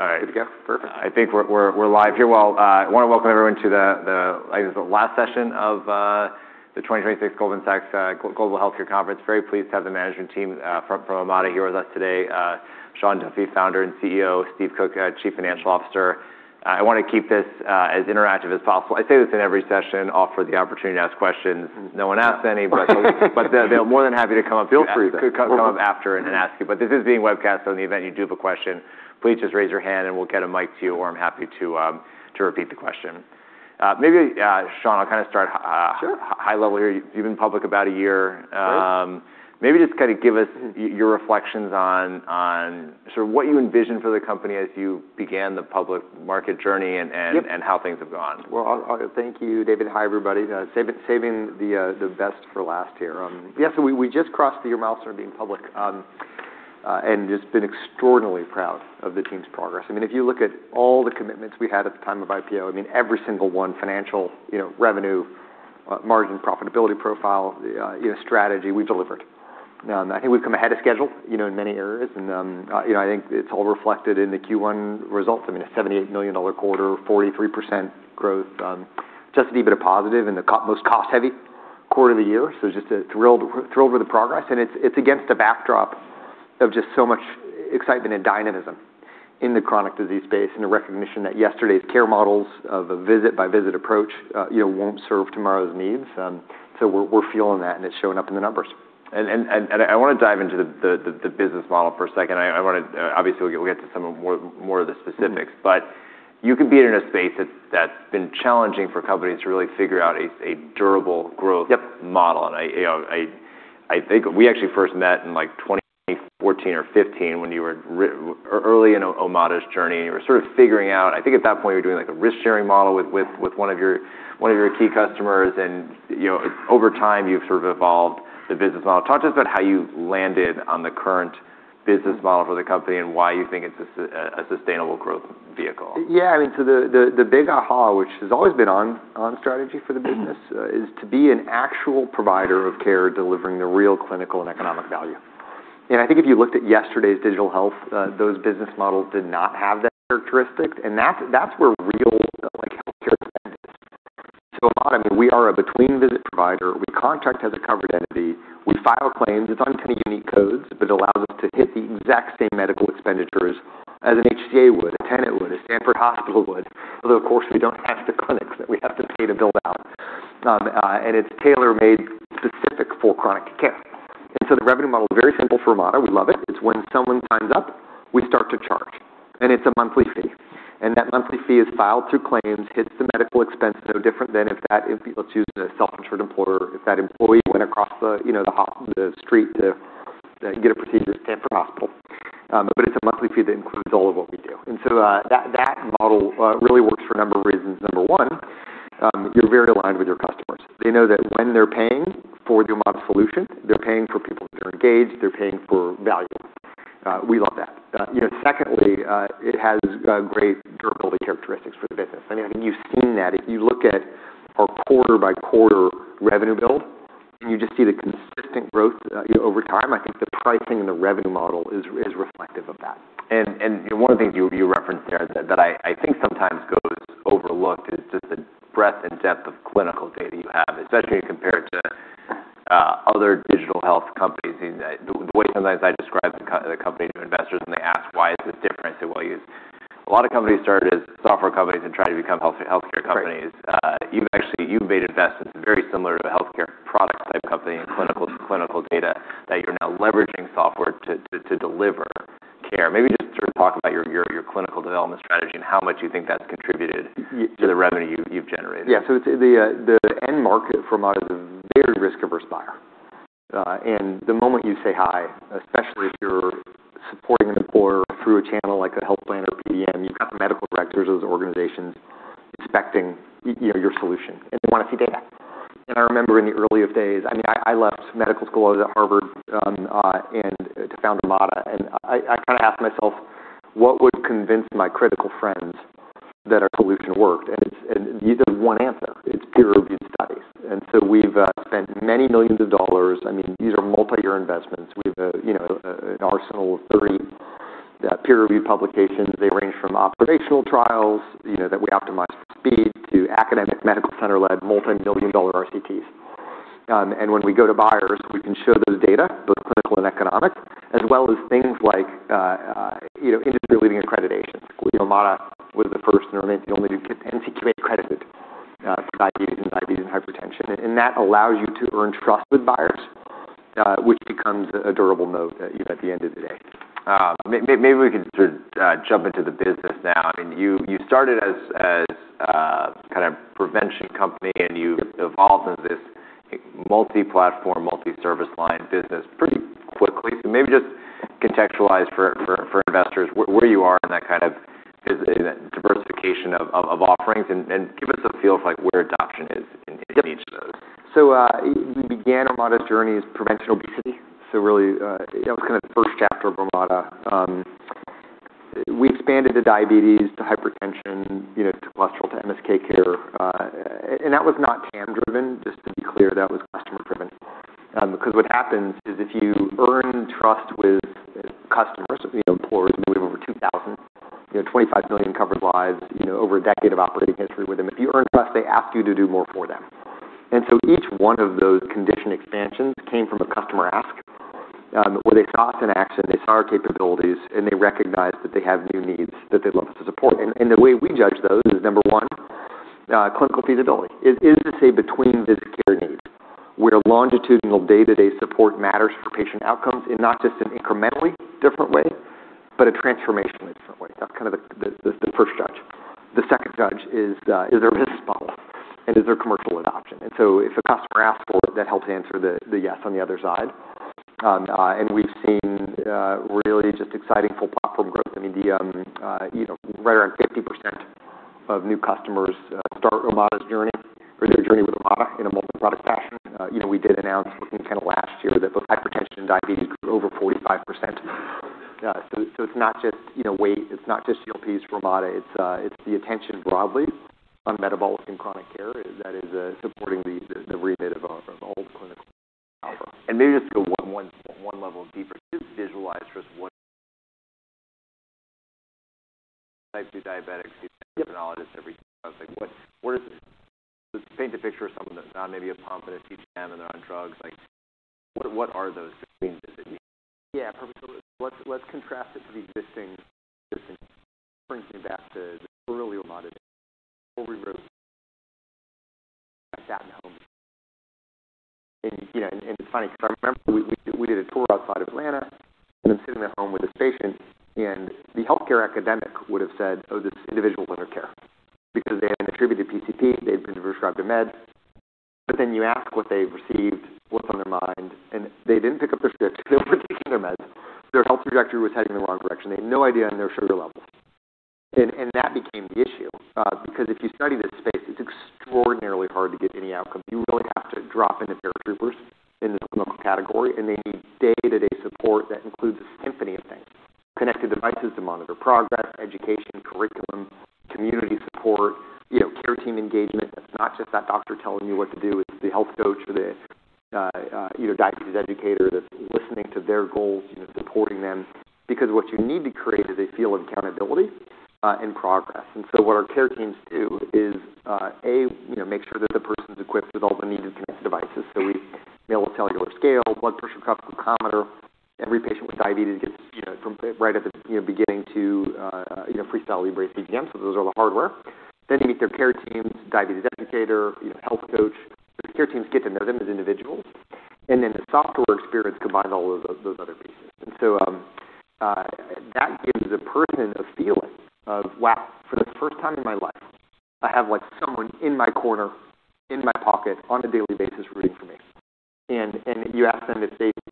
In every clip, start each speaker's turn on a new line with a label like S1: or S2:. S1: All right.
S2: Good to go? Perfect.
S1: I think we're live here. Well, I want to welcome everyone to the, I guess, the last session of the 2026 Goldman Sachs Global Healthcare Conference. Very pleased to have the management team from Omada here with us today. Sean Duffy, Founder and CEO, Steve Cook, Chief Financial Officer. I want to keep this as interactive as possible. I say this in every session, offer the opportunity to ask questions. No one asks any. But they're more than happy to come up...
S2: Feel free.
S1: ...come up after and ask you. This is being webcast, so in the event you do have a question, please just raise your hand and we'll get a mic to you, or I'm happy to repeat the question. Maybe, Sean, I'll start.
S2: Sure
S1: High level here. You've been public about a year.
S2: Right.
S1: Maybe just give us your reflections on what you envisioned for the company as you began the public market journey and...
S2: Yep...
S1: How things have gone.
S2: Well, thank you, David. Hi, everybody. Saving the best for last here. We just crossed the year mark of being public, and just been extraordinarily proud of the team's progress. If you look at all the commitments we had at the time of IPO, every single one, financial, revenue, margin profitability profile, strategy, we delivered. I think we've come ahead of schedule in many areas, and I think it's all reflected in the Q1 results. A $78 million quarter, 43% growth, just a wee bit of positive in the most cost-heavy quarter of the year. Just thrilled with the progress, and it's against the backdrop of just so much excitement and dynamism in the chronic disease space, and the recognition that yesterday's care models of a visit-by-visit approach won't serve tomorrow's needs. We're feeling that, and it's showing up in the numbers.
S1: I want to dive into the business model for a second. Obviously, we'll get to some more of the specifics, you can be in a space that's been challenging for companies to really figure out a durable growth...
S2: Yep...
S1: Model. I think we actually first met in 2014 or 2015 when you were early in Omada's journey, and you were figuring out, I think at that point, you were doing a risk-sharing model with one of your key customers and over time, you've evolved the business model. Talk to us about how you landed on the current business model for the company and why you think it's a sustainable growth vehicle.
S2: Yeah. The big aha, which has always been on strategy for the business, is to be an actual provider of care delivering the real clinical and economic value. I think if you looked at yesterday's digital health, those business models did not have that characteristic, and that's where real healthcare spend is. At Omada, we are a between-visit provider. We contract as a covered entity. We file claims. It's on 10 unique codes, but it allows us to hit the exact same medical expenditures as an HCA would, a Tenet would, a Stanford Hospital would, although, of course, we don't have the clinics that we have to pay to build out. It's tailor-made specific for chronic care. The revenue model is very simple for Omada. We love it. It's when someone signs up, we start to charge, and it's a monthly fee. That monthly fee is filed through claims, hits the medical expense no different than if, let's use a self-insured employer, if that employee went across the street to get a procedure at Stanford Hospital. It's a monthly fee that includes all of what we do. That model really works for a number of reasons. Number one, you're very aligned with your customers. They know that when they're paying for the Omada solution, they're paying for people to be engaged. They're paying for value. We love that. Secondly, it has great durability characteristics for the business. You've seen that. If you look at our quarter-by-quarter revenue build, you just see the consistent growth over time, I think the pricing and the revenue model is reflective of that.
S1: One of the things you referenced there that I think sometimes goes overlooked is just the breadth and depth of clinical data you have, especially when compared to other digital health companies. The way sometimes I describe the company to investors when they ask, why is this different? I say, well, a lot of companies started as software companies and tried to become healthcare companies.
S2: Right.
S1: You've made investments very similar to a healthcare product-type company and clinical data that you're now leveraging software to deliver care. Maybe just talk about your clinical development strategy and how much you think that's contributed to the revenue you've generated.
S2: The end market for Omada is a very risk-averse buyer. The moment you say hi, especially if you're supporting an employer through a channel like a health plan or a PBM, you've got the medical directors of those organizations expecting your solution, they want to see data. I remember in the earliest days, I left medical school. I was at Harvard, to found Omada, I asked myself what would convince my critical friends that a solution worked? There's one answer. It's peer-reviewed studies. We've spent many millions of dollars. These are multi-year investments. We have an arsenal of 30 peer-reviewed publications. They range from operational trials that we optimize for speed to academic medical center-led multi-million dollar RCTs. When we go to buyers, we can show those data, both clinical and economic, as well as things like industry-leading accreditation. Omada was the first and remains the only NCQA-credited for diabetes and hypertension. That allows you to earn trust with buyers, which becomes a durable moat at the end of the day.
S1: Maybe we can jump into the business now. You started as a prevention company, and you've evolved into this multi-platform, multi-service line business pretty quickly. Maybe just contextualize for investors where you are in that diversification of offerings, and give us a feel for where adoption is in each of those.
S2: We began Omada's journey as prevention obesity. Really, that was the first chapter of Omada. We expanded to diabetes, to hypertension, to cholesterol, to MSK care, and that was not TAM driven, just to be clear. That was customer-driven. Because what happens is if you earn trust with customers, with employers, we have over 2,000, 25 million covered lives, over a decade of operating history with them. If you earn trust, they ask you to do more for them. Each one of those condition expansions came from a customer ask, where they saw us in action, they saw our capabilities, and they recognized that they have new needs that they'd love us to support. The way we judge those is, number one, clinical feasibility. Is this a between-visit care need where longitudinal day-to-day support matters for patient outcomes in not just an incrementally different way, but a transformationally different way? That's the first judge. The second judge is there a business model, and is there commercial adoption? If a customer asks for it, that helps answer the yes on the other side. We've seen really just exciting full platform growth. Right around 50% of new customers start Omada's journey or their journey with Omada in a multi-product fashion. We did announce in kind of last year that both hypertension and diabetes grew over 45%. It's not just weight, it's not just GLPs for Omada, it's the attention broadly on metabolic and chronic care that is supporting the remit of the whole clinical platform.
S1: Maybe just to go one level deeper to visualize just what type 2 diabetics endocrinologist every. Paint a picture of someone that's on maybe a pump and a CGM, and they're on drugs. What are those changes that you make?
S2: Yeah. Perfect. Let's contrast it to the existing. Brings me back to the early Omada days, where we wrote at that in-home. It's funny because I remember we did a tour outside of Atlanta, and I'm sitting at home with this patient, and the healthcare academic would've said, oh, this individual's under care. Because they had an attributed PCP, they'd been prescribed a med. Then you ask what they've received, what's on their mind, and they didn't pick up their scripts. They weren't taking their meds. Their health trajectory was heading in the wrong direction. They had no idea on their sugar levels. That became the issue. If you study this space, it's extraordinarily hard to get any outcome. You really have to drop in the paratroopers in this clinical category, and they need day-to-day support that includes a symphony of things, connected devices to monitor progress, education, curriculum, community support, care team engagement. That's not just that doctor telling you what to do. It's the health coach or the diabetes educator that's listening to their goals, supporting them. Because what you need to create is a feel of accountability and progress. What our care teams do is, A, make sure that the person's equipped with all the needed connected devices. We enable a cellular scale, blood pressure cuff, oximeter. Every patient with diabetes gets, from right at the beginning to a FreeStyle Libre CGM. Those are all the hardware. You get their care teams, diabetes educator, health coach. The care teams get to know them as individuals. Then the software experience combines all those other pieces. That gives the person a feeling of, wow, for the first time in my life, I have someone in my corner, in my pocket, on a daily basis rooting for me. You ask them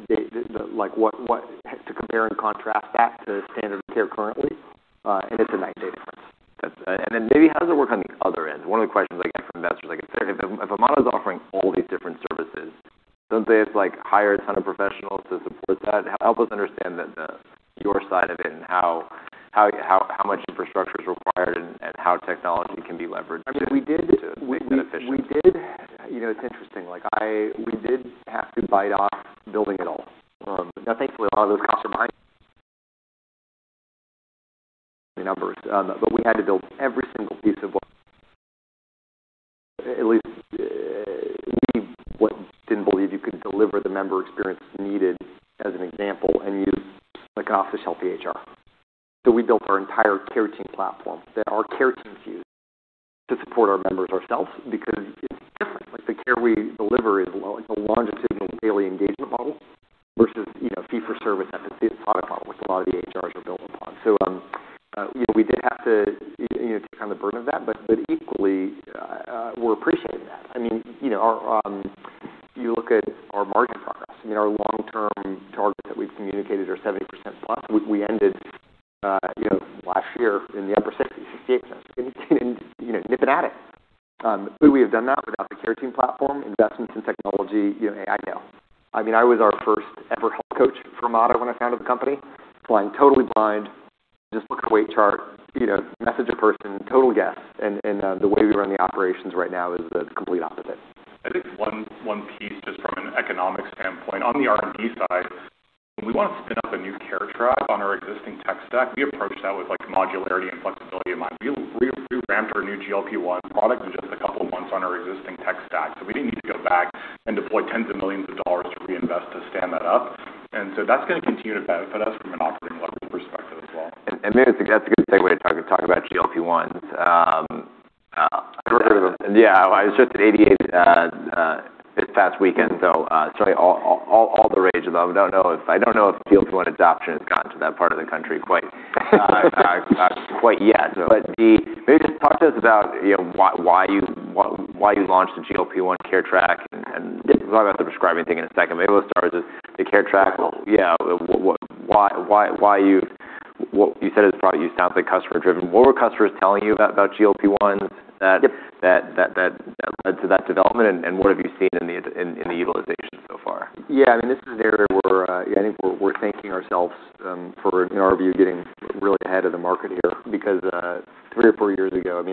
S2: to compare and contrast that to standard of care currently, and it's a night and day difference.
S1: How does it work on the other end? One of the questions I get from investors, if Omada's offering all these different services, don't they have to hire a ton of professionals to support that? Help us understand your side of it and how much infrastructure's required and how technology can be leveraged to make that efficient.
S2: It's interesting. We did have to bite off building it all from Now thankfully, a lot of those costs are numbers. We had to build every single piece of at least, we didn't believe you could deliver the member experience needed as an example, and use an off-the-shelf EHR. We built our entire care team platform that our care teams use to support our members ourselves, because it's different. The care we deliver is a longitudinal daily engagement model versus fee for service episode product model, which a lot of the EHRs are built upon. We did have to take on the burden of that, but equally, we're appreciating that. You look at our margin progress. Our long-term targets that we've communicated are 70%+. We ended last year in the upper 60s, 68%. Nip it at it. Could we have done that without the care team platform, investments in technology, AI? No. I was our first-ever health coach for Omada when I founded the company, flying totally blind, just looked at a weight chart, message a person, total guess. The way we run the operations right now is the complete opposite.
S3: I think one piece just from an economic standpoint, on the R&D side, when we want to spin up a new care track on our existing tech stack, we approach that with modularity and flexibility in mind. We ramped our new GLP-1 product in just a couple of months on our existing tech stack. We didn't need to go back and deploy tens of millions of dollars to reinvest to stand that up. That's going to continue to benefit us from an operating leverage perspective as well.
S1: Maybe that's a good segue to talk about GLP-1s.
S3: Sure.
S1: Yeah. I was just at ADA this past weekend, so it's really all the rage. I don't know if GLP-1 adoption has gotten to that part of the country quite yet. Maybe just talk to us about why you launched the GLP-1 Care Track and we'll talk about the prescribing thing in a second. Maybe let's start with just the Care Track.
S3: Sure.
S1: Yeah. You said it was product, you sound customer driven. What were customers telling you about GLP-1 that led to that development, and what have you seen in the utilization so far?
S2: Yeah. This is an area where I think we're thanking ourselves for, in our view, getting really ahead of the market here. Three or four years ago. At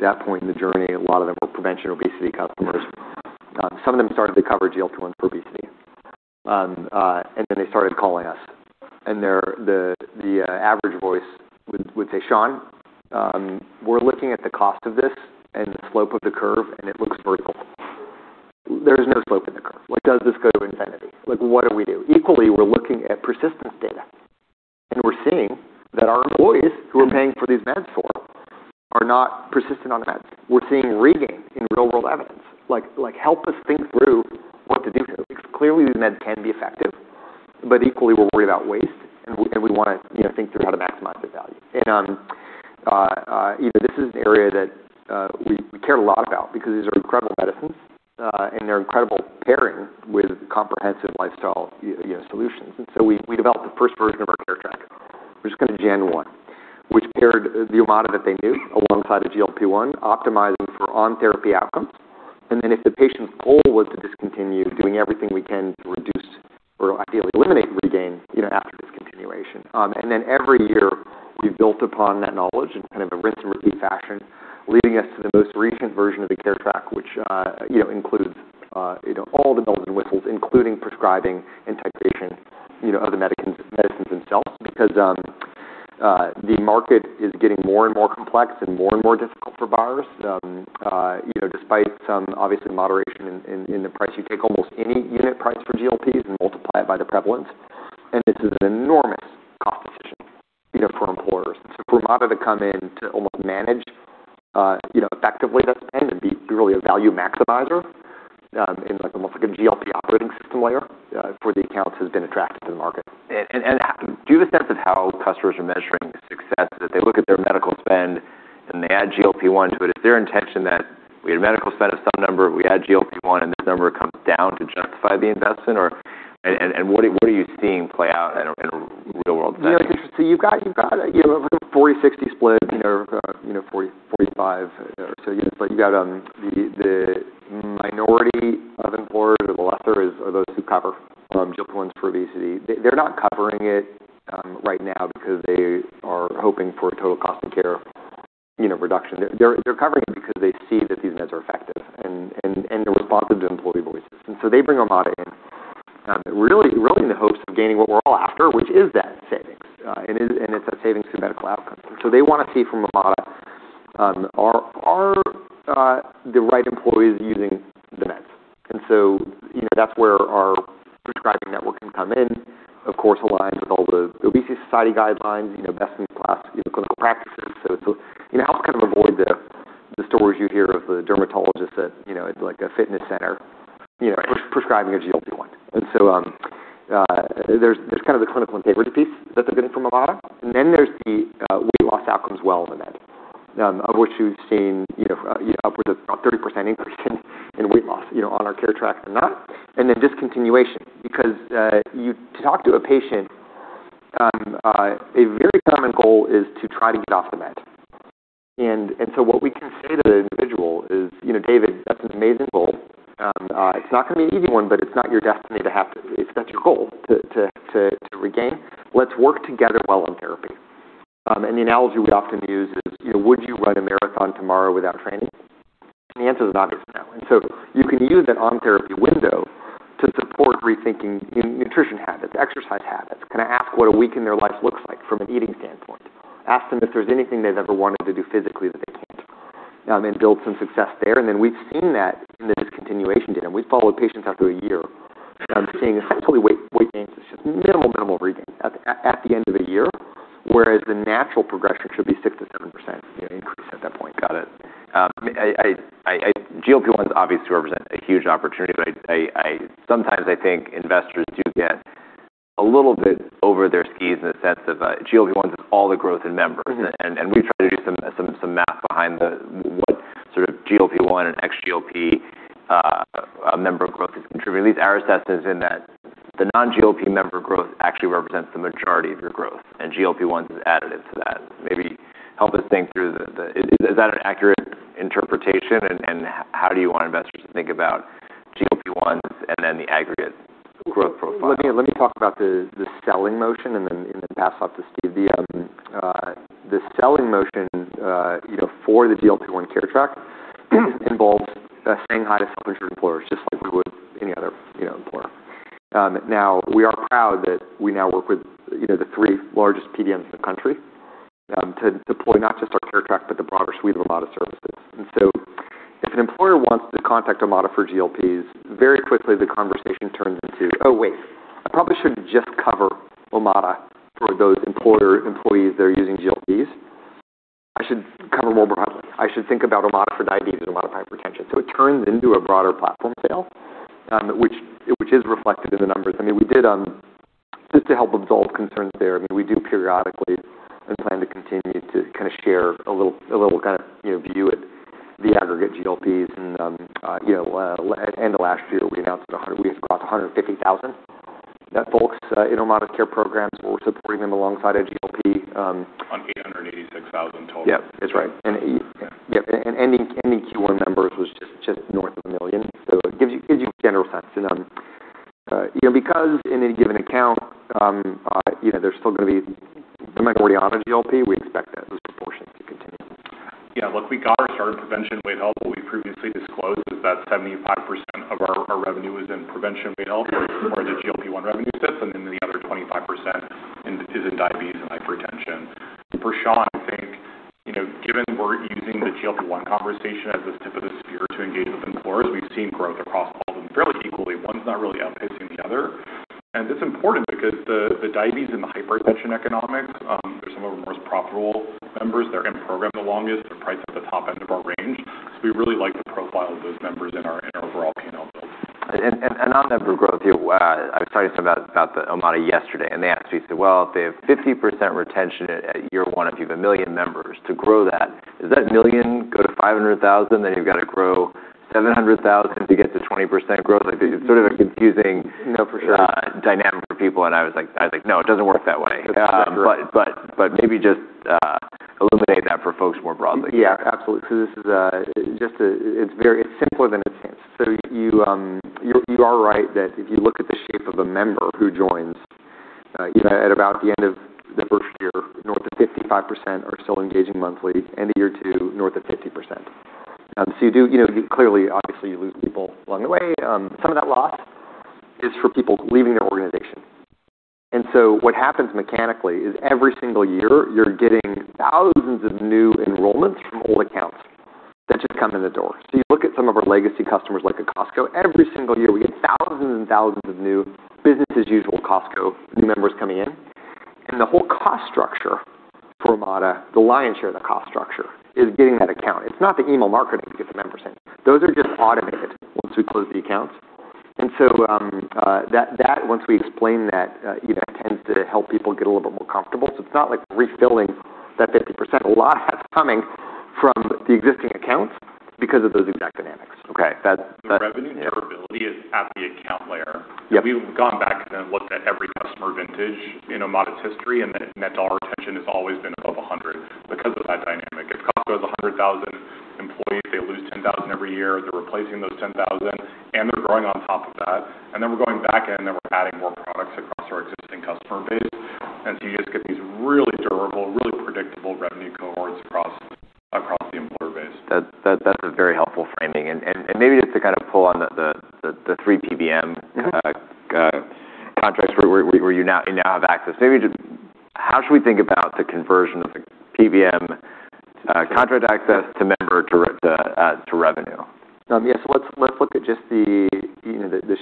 S2: that point in the journey, a lot of them were prevention obesity customers. Some of them started to cover GLP-1s for obesity. Then they started calling us. The average voice would say, Sean, we're looking at the cost of this and the slope of the curve, and it looks vertical. There's no slope in the curve. Does this go to infinity? What do we do? Equally, we're looking at persistence data, and we're seeing that our employees who are paying for these meds for are not persistent on the meds. We're seeing regain in real-world evidence. Help us think through what to do here, because clearly these meds can be effective, but equally, we're worried about waste, and we want to think through how to maximize the value. This is an area that we care a lot about because these are incredible medicines, and they're incredible pairing with comprehensive lifestyle solutions. We developed the first version of our care track, which is called Gen One, which paired the Omada that they knew alongside the GLP-1, optimizing for on-therapy outcomes. If the patient's goal was to discontinue, doing everything we can to reduce or ideally eliminate regain after discontinuation. Every year, we built upon that knowledge in a rinse and repeat fashion, leading us to the most recent version of the care track, which includes all the bells and whistles, including prescribing and titration of the medicines themselves. Because the market is getting more and more complex and more and more difficult for buyers. Despite some obvious moderation in the price, you take almost any unit price for GLPs and multiply it by the prevalence, and this is an enormous cost position for employers. For Omada to come in to almost manage effectively the spend and be really a value maximizer in almost a GLP operating system layer for the accounts has been attractive to the market.
S1: Do you have a sense of how customers are measuring success? If they look at their medical spend and they add GLP-1 to it, is their intention that we had a medical spend of some number, we add GLP-1, and this number comes down to justify the investment? What are you seeing play out in a real-world setting?
S2: It's interesting. You've got a 40/60 split, 40/45 or so. You've got the minority of employers or the lesser are those who cover GLP-1s for obesity. They're not covering it right now because they are hoping for a total cost of care reduction. They're covering it because they see that these meds are effective, and they're responsive to employee voices. They bring Omada in really in the hopes of gaining what we're all after, which is that savings, and it's that savings through medical outcomes. They want to see from Omada are the right employees using the meds. That's where our prescribing network can come in, of course, aligned with all The Obesity Society guidelines, best in class clinical practices. It helps avoid the stories you hear of the dermatologist at a fitness center prescribing a GLP-1. There's the clinical and favored piece that they're getting from Omada. There's the weight loss outcomes while on the med, of which we've seen upwards of a 30% increase in weight loss on our care track than not. Discontinuation. Because you talk to a patient, a very common goal is to try to get off the med. What we can say to the individual is, David, that's an amazing goal. It's not going to be an easy one, but it's not your destiny to have, if that's your goal to regain, let's work together while on therapy. The analogy we often use is, would you run a marathon tomorrow without training? The answer is obviously no. You can use that on-therapy window to support rethinking nutrition habits, exercise habits, ask what a week in their life looks like from an eating standpoint. Ask them if there's anything they've ever wanted to do physically that they can't, and then build some success there. We've seen that in the discontinuation data. We followed patients after a year, seeing essentially weight gains, it's just minimal regain at the end of a year, whereas the natural progression should be 6%-7% increase at that point.
S1: Got it. GLP-1s obviously represent a huge opportunity, sometimes I think investors do get a little bit over their skis in the sense of GLP-1s is all the growth in members. We've tried to do some math behind what sort of GLP-1 and ex-GLP member growth is contributing. At least our assessment is in that the non-GLP member growth actually represents the majority of your growth, and GLP-1s is additive to that. Maybe help us think through. Is that an accurate interpretation, and how do you want investors to think about GLP-1s and then the aggregate growth profile?
S2: Let me talk about the selling motion and then pass off to Steve. The selling motion for the GLP-1 Care Track involves saying hi to self-insured employers, just like we would any other employer. We are proud that we now work with the three largest PBMs in the country to deploy not just our care track, but the broader suite of a lot of services. If an employer wants to contact Omada for GLPs, very quickly the conversation turns into, oh, wait, I probably shouldn't just cover Omada for those employees that are using GLPs. I should cover more broadly. I should think about Omada for diabetes and Omada for hypertension. It turns into a broader platform sale, which is reflected in the numbers. Just to help absolve concerns there, we do periodically and plan to continue to share a little view at the aggregate GLPs. The last few that we announced, we just crossed 150,000 net folks in Omada care programs where we're supporting them alongside a GLP.
S3: On 886,000 total.
S2: Yep. That's right.
S3: Yeah.
S2: Yep. Ending Q1 members was just north of 1 million. It gives you a general sense.
S1: In any given account, there's still going to be the majority on a GLP. We expect that this proportion to continue.
S3: Look, we got our start in prevention weight health, but we previously disclosed that 75% of our revenue is in prevention weight health or the GLP-1 revenue sets, then the other 25% is in diabetes and hypertension. For Sean, I think, given we're using the GLP-1 conversation as the tip of the spear to engage with employers, we've seen growth across all of them fairly equally. One's not really outpacing the other. It's important because the diabetes and the hypertension economics are some of our most profitable members. They're in program the longest. They're priced at the top end of our range. We really like the profile of those members in our overall panel.
S1: On member growth, I was talking to someone about Omada yesterday, and they asked me, they said, well, if they have 50% retention at year one, if you have 1 million members to grow that, does that 1 million go to 500,000, then you've got to grow 700,000 to get to 20% growth? It's sort of a confusing...
S3: No, for sure....
S1: Dynamic for people. I was like, no, it doesn't work that way.
S3: Yeah. For sure.
S1: Maybe just eliminate that for folks more broadly.
S3: Yeah, absolutely. It's simpler than it seems. You are right that if you look at the shape of a member who joins, at about the end of the first year, north of 55% are still engaging monthly, end of year two, north of 50%. Clearly, obviously, you lose people along the way. Some of that loss is for people leaving their organization. What happens mechanically is every single year, you're getting thousands of new enrollments from old accounts that just come in the door. You look at some of our legacy customers, like a Costco, every single year, we get thousands and thousands of new business-as-usual Costco new members coming in, and the whole cost structure for Omada, the lion's share of the cost structure is getting that account. It's not the email marketing to get the members in. Those are just automated once we close the accounts. Once we explain that tends to help people get a little bit more comfortable. It's not like refilling that 50%. A lot of that's coming from the existing accounts because of those exact dynamics.
S1: Okay.
S3: The revenue durability is at the account layer.
S1: Yep.
S3: We've gone back and looked at every customer vintage in Omada's history, the net dollar retention has always been above 100 because of that dynamic. If Costco has 100,000 employees, they lose 10,000 every year. They're replacing those 10,000, and they're growing on top of that. Then we're going back in, then we're adding more products across our existing customer base. You just get these really durable, really predictable revenue cohorts across the employer base.
S1: That's a very helpful framing. Maybe just to pull on the three PBM contracts where you now have access, how should we think about the conversion of the PBM contract access to member, to revenue?
S3: Yes. Let's look at just the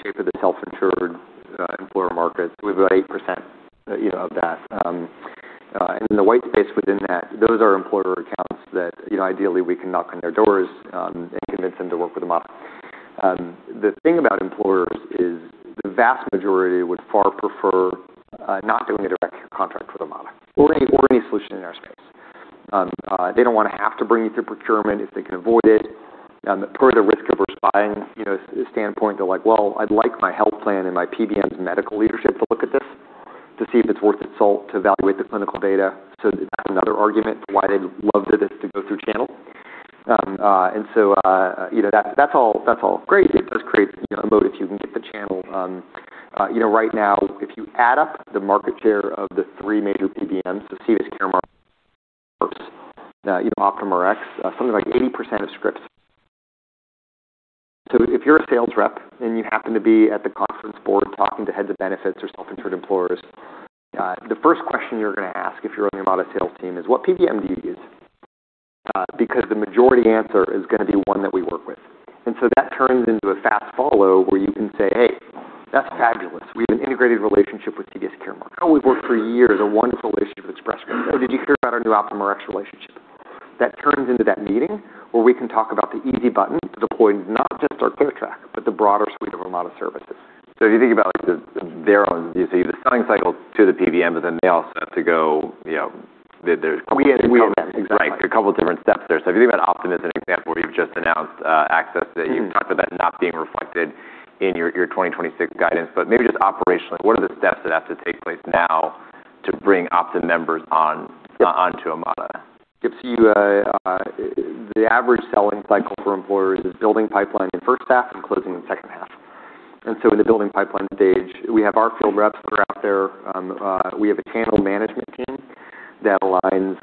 S3: shape of the self-insured employer market. We have about 8% of that. In the white space within that, those are employer accounts that ideally we can knock on their doors and convince them to work with Omada. The thing about employers is the vast majority would far prefer not doing a direct contract with Omada or any solution in our space. They don't want to have to bring it through procurement if they can avoid it. Per their risk-averse buying standpoint, they're like, well, I'd like my health plan and my PBMs medical leadership to look at this to see if it's worth the salt to evaluate the clinical data. That's another argument for why they'd love this to go through channel. That's all great. It does create a moat if you can get the channel. Right now, if you add up the market share of the three major PBMs, CVS Caremark, Optum Rx, something like 80% of scripts. If you're a sales rep and you happen to be at The Conference Board talking to heads of benefits or self-insured employers, the first question you're going to ask if you're on the Omada sales team is, what PBM do you use? Because the majority answer is going to be one that we work with. That turns into a fast follow where you can say, hey, that's fabulous. We have an integrated relationship with CVS Caremark. Oh, we've worked for years, a wonderful relationship with Express Scripts. Oh, did you hear about our new Optum Rx relationship? That turns into that meeting where we can talk about the easy button to deploying not just our care track, but the broader suite of Omada services.
S1: If you think about their own, you see the selling cycle to the PBM, but then they also have to go.
S3: We had to.
S1: Right. A couple of different steps there. If you think about Optum as an example, where you've just announced access, that you've talked about not being reflected in your 2026 guidance. Maybe just operationally, what are the steps that have to take place now to bring Optum members onto Omada?
S3: The average selling cycle for employers is building pipeline in the first half and closing in the second half. In the building pipeline stage, we have our field reps that are out there. We have a channel management team that aligns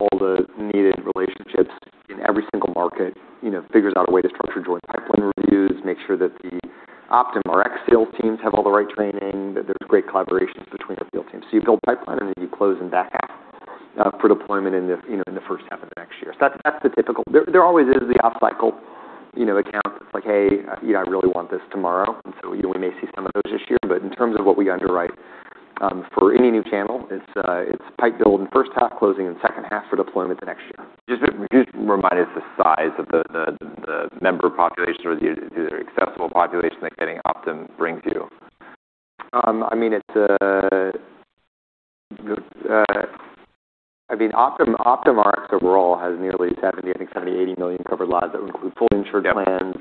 S3: all the needed relationships in every single market, figures out a way to structure joint pipeline reviews, makes sure that the Optum Rx sales teams have all the right training, that there's great collaborations between the field teams. You build pipeline and then you close in back half for deployment in the first half of next year. There always is the off-cycle account that's like, hey, I really want this tomorrow. We may see some of those this year, but in terms of what we underwrite for any new channel, it's pipe build in first half, closing in second half for deployment the next year.
S1: Just remind us the size of the member population, or the accessible population that getting Optum brings you.
S3: Optum Rx overall has nearly 70 million, I think 70 million, 80 million covered lives that would include fully insured plans.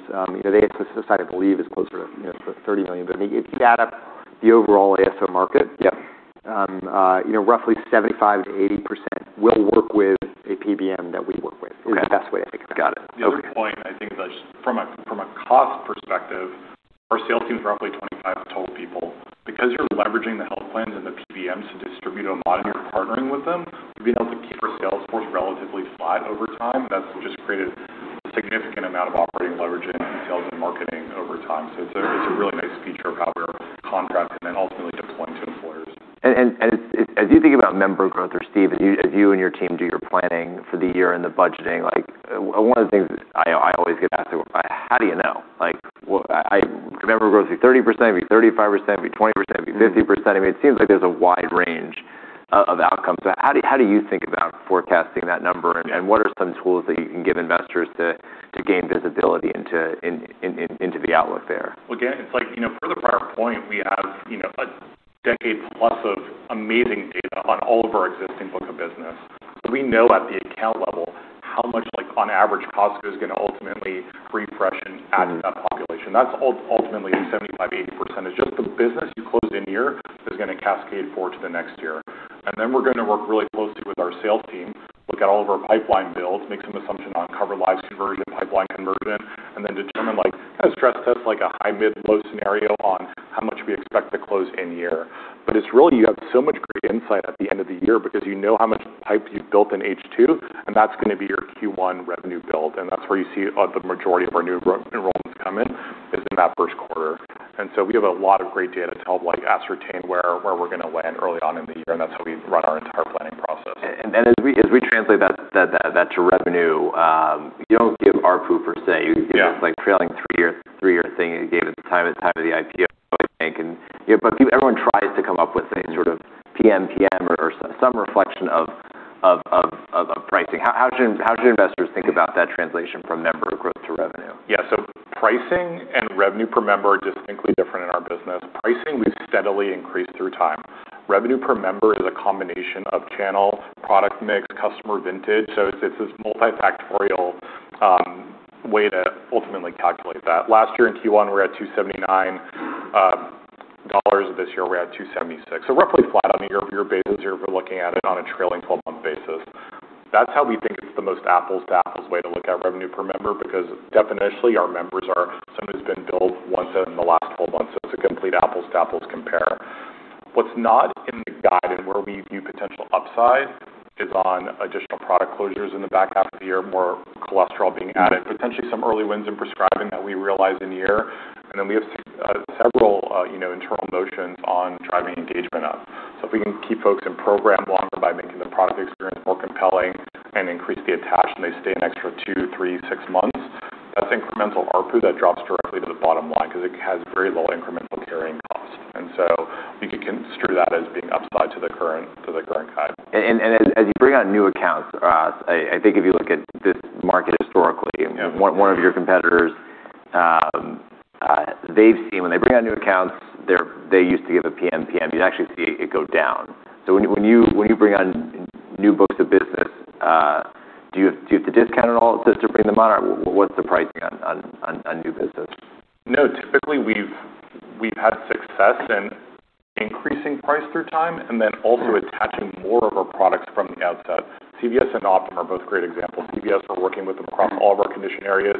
S3: They have, I believe, is closer to $30 million. If you add up the overall ASO market...
S1: Yep...
S3: Roughly 75%-80% will work with.
S2: A PBM that we work with...
S1: Okay...
S2: Is the best way to think about it.
S1: Got it. Okay.
S3: The other point I think that from a cost perspective, our sales team is roughly 25 total people. Because you're leveraging the health plans and the PBMs to distribute Omada and you're partnering with them, we've been able to keep our sales force relatively flat over time. That's just created a significant amount of operating leverage in sales and marketing over time. It's a really nice feature of how we're contract and then ultimately deploying to employers.
S1: As you think about member growth or Steve, as you and your team do your planning for the year and the budgeting, one of the things I always get asked, how do you know? Will member growth be 30%, be 35%, be 20%, be 50%? I mean, it seems like there's a wide range of outcomes. How do you think about forecasting that number and what are some tools that you can give investors to gain visibility into the outlook there?
S3: Again, it's like further to our point, we have a decade plus of amazing data on all of our existing book of business. We know at the account level how much, on average, Costco is going to ultimately refresh and add to that population. That's ultimately 75%, 80% is just the business you closed in year is going to cascade forward to the next year. We're going to work really closely with our sales team, look at all of our pipeline builds, make some assumption on covered lives conversion, pipeline conversion, and then determine, kind of stress test like a high mid, low scenario on how much we expect to close in year. It's really, you have so much great insight at the end of the year because you know how much pipe you've built in H2, and that's going to be your Q1 revenue build, and that's where you see the majority of our new enrollments come in is in that first quarter. We have a lot of great data to help ascertain where we're going to land early on in the year, and that's how we run our entire planning process.
S1: As we translate that to revenue, you don't give ARPU per se.
S3: Yeah.
S1: It's like trailing three-year thing you gave at the time of the IPO, I think. Everyone tries to come up with some sort of PMPM or some reflection of pricing. How should investors think about that translation from member growth to revenue?
S3: Yeah. Pricing and revenue per member are distinctly different in our business. Pricing, we've steadily increased through time. Revenue per member is a combination of channel, product mix, customer vintage. It's this multifactorial way to ultimately calculate that. Last year in Q1, we were at $279. This year we're at $276, roughly flat on a year-over-year basis if we're looking at it on a trailing 12-month basis. That's how we think it's the most apples-to-apples way to look at revenue per member because definitionally our members are someone who's been billed once in the last 12 months, it's a complete apples-to-apples compare. What's not in the guide and where we view potential upside is on additional product closures in the back half of the year, more cholesterol being added, potentially some early wins in prescribing that we realize in the year. We have several internal motions on driving engagement up. If we can keep folks in program longer by making the product experience more compelling and increase the attach and they stay an extra two to three to six months, that's incremental ARPU that drops directly to the bottom line because it has very low incremental carrying costs. We can construe that as being upside to the current guide.
S1: As you bring on new accounts, I think if you look at this market historically,...
S3: Yeah...
S1: One of your competitors, they've seen when they bring on new accounts, they used to give a PMPM, you'd actually see it go down. When you bring on new books of business, do you have to discount at all to bring them on, or what's the pricing on new business?
S3: No, typically we've had success in increasing price through time, also attaching more of our products from the outset. CVS and Optum are both great examples. CVS, we're working with them across all of our condition areas,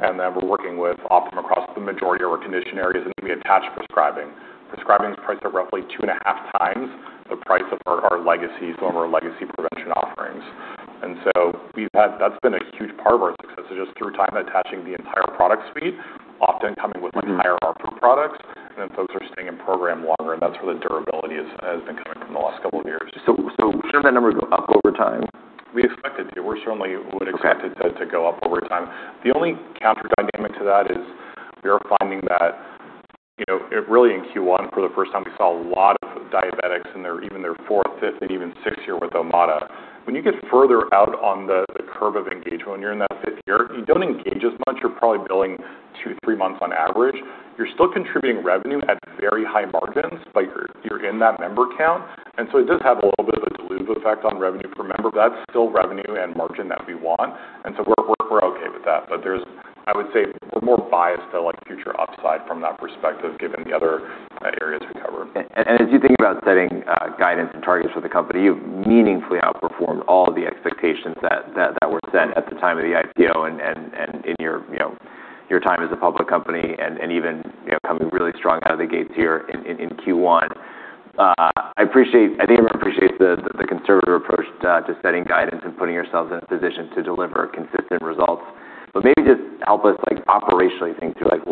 S3: we're working with Optum across the majority of our condition areas, and we attach prescribing. Prescribing is priced at roughly two and a half times the price of our legacy, former legacy prevention offerings. That's been a huge part of our success is just through time attaching the entire product suite, often coming with higher ARPU products, folks are staying in program longer, and that's where the durability has been coming from the last couple of years.
S1: Shouldn't that number go up over time?
S3: We expect it to. We certainly would expect it...
S1: Okay...
S3: To go up over time. The only counter dynamic to that is we are finding that, really in Q1 for the first time, we saw a lot of diabetics and even their fourth, fifth, and even sixth year with Omada. When you get further out on the curve of engagement, when you're in that fifth year, you don't engage as much. You're probably billing two to three months on average. You're still contributing revenue at very high margins, but you're in that member count. It does have a little bit of a dilutive effect on revenue per member, but that's still revenue and margin that we want, and so we're okay with that. I would say we're more biased to future upside from that perspective, given the other areas we cover.
S1: As you think about setting guidance and targets for the company, you've meaningfully outperformed all the expectations that were set at the time of the IPO and in your time as a public company and even coming really strong out of the gates here in Q1. I think everyone appreciates the conservative approach to setting guidance and putting yourselves in a position to deliver consistent results. Maybe just help us, like operationally think through,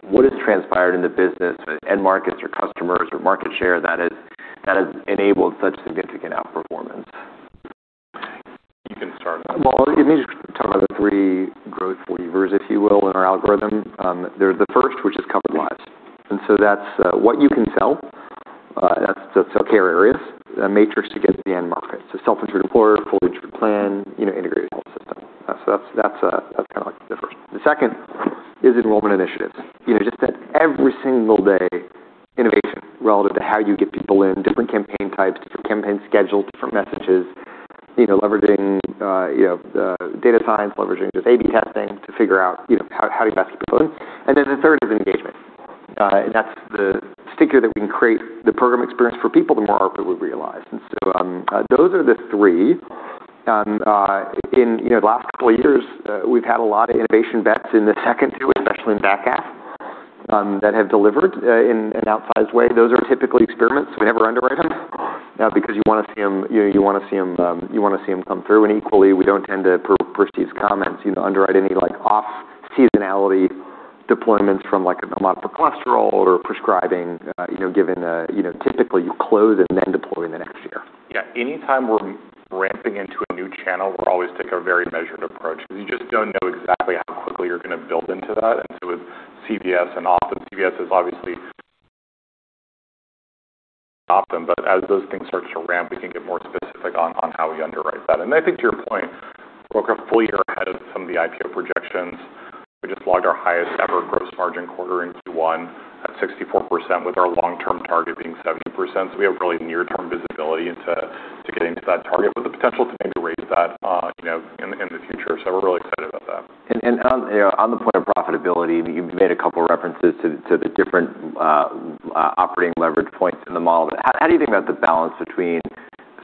S1: what has transpired in the business with end markets or customers or market share that has enabled such significant outperformance?
S3: You can start.
S2: Well, let me just talk about the three growth levers, if you will, in our algorithm. There's the first, which is covered lives. That's what you can sell. That's care areas, the matrix to get to the end market. Self-insured employer, fully insured plan, integrated health system. That's the first. The second is enrollment initiatives. Just that every single day innovation relative to how you get people in, different campaign types, different campaign schedules, different messages, leveraging the data science, leveraging just A/B testing to figure out how do you best get people in. The third is engagement. That's the stickier that we can create the program experience for people, the more ARPU we realize. Those are the three. In the last couple of years, we've had a lot of innovation bets in the second two, especially in back half, that have delivered in an outsized way. Those are typically experiments, we never underwrite them because you want to see them come through. Equally, we don't tend to, per Steve's comments, underwrite any off seasonality deployments from, like, Omada for Cholesterol or Prescribing, given, typically you close and then deploy in the next year.
S3: Yeah. Anytime we're ramping into a new channel, we always take a very measured approach, because you just don't know exactly how quickly you're going to build into that. With CVS and Optum, CVS is obviously... Optum, but as those things start to ramp, we can get more specific on how we underwrite that. I think to your point, we're a full year ahead of some of the IPO projections. We just logged our highest ever gross margin quarter in Q1 at 64%, with our long-term target being 70%. We have really near-term visibility into getting to that target with the potential to maybe raise that in the future. We're really excited about that.
S1: On the point of profitability, you've made a couple references to the different operating leverage points in the model. How do you think about the balance between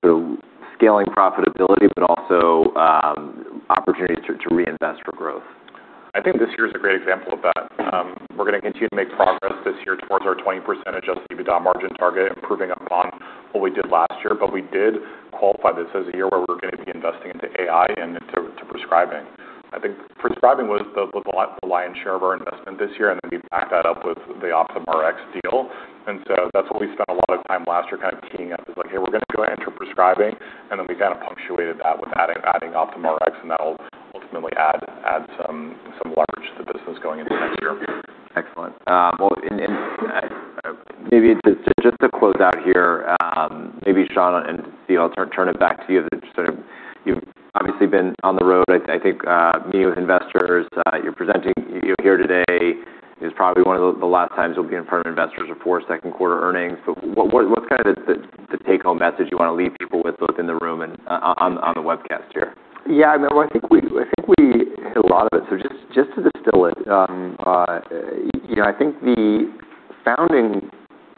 S1: sort of scaling profitability, but also opportunities to reinvest for growth?
S3: I think this year is a great example of that. We're going to continue to make progress this year towards our 20% adjusted EBITDA margin target, improving upon what we did last year, but we did qualify this as a year where we're going to be investing into AI and into Prescribing. I think Prescribing was the lion's share of our investment this year, then we backed that up with the Optum Rx deal. That's what we spent a lot of time last year kind of teeing up is like, hey, we're going to go enter Prescribing, then we kind of punctuated that with adding Optum Rx, and that'll ultimately add some leverage to the business going into next year.
S1: Excellent. Maybe just to close out here, Sean, and Steve, I'll turn it back to you. You've obviously been on the road, I think, meeting with investors. You're presenting. You're here today. It's probably one of the last times you'll be in front of investors before second quarter earnings. What's kind of the take home message you want to leave people with, both in the room and on the webcast here?
S2: Yeah, no, I think we hit a lot of it. Just to distill it, I think the founding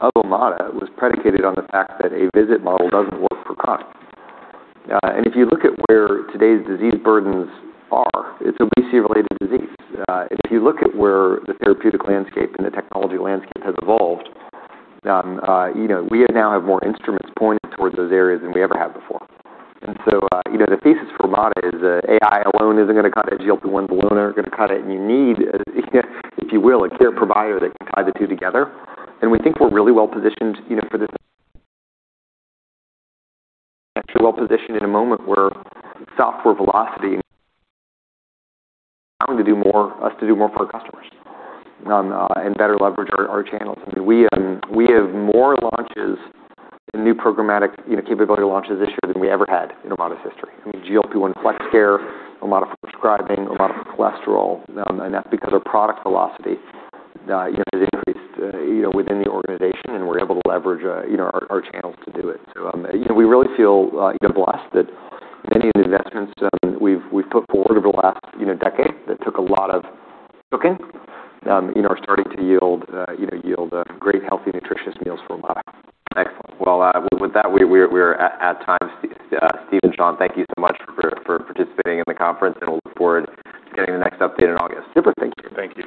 S2: of Omada was predicated on the fact that a visit model doesn't work for chronic. If you look at where today's disease burdens are, it's obesity-related disease. If you look at where the therapeutic landscape and the technology landscape has evolved, we now have more instruments pointed towards those areas than we ever have before. The thesis for Omada is that AI alone isn't going to cut it. GLP-1 alone aren't going to cut it, and you need, if you will, a care provider that can tie the two together. We think we're really well-positioned for this. Well-positioned in a moment where software velocity Having to do more, us to do more for our customers, and better leverage our channels. I mean, we have more launches and new programmatic capability launches this year than we ever had in Omada's history. I mean, GLP-1 Flex Care, Omada for Prescribing, Omada for Cholesterol, that's because our product velocity has increased within the organization, and we're able to leverage our channels to do it. We really feel blessed that many of the investments we've put forward over the last decade that took a lot of cooking are starting to yield great, healthy, nutritious meals for Omada.
S1: Excellent. Well, with that, we are at time. Steve and Sean, thank you so much for participating in the conference, and we'll look forward to getting the next update in August.
S2: Super. Thank you.
S3: Thank you.